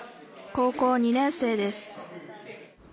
高校２年生です